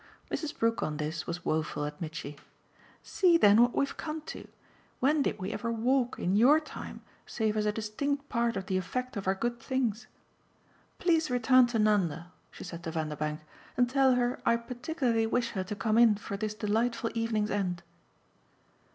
Mrs. Brook, on this, was woeful at Mitchy. "See then what we've come to. When did we ever 'walk' in YOUR time save as a distinct part of the effect of our good things? Please return to Nanda," she said to Vanderbank, "and tell her I particularly wish her to come in for this delightful evening's end."